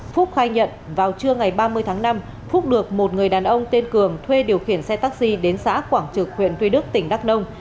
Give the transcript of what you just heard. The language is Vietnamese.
phúc khai nhận vào trưa ngày ba mươi tháng năm phúc được một người đàn ông tên cường thuê điều khiển xe taxi đến xã quảng trực huyện tuy đức tỉnh đắk nông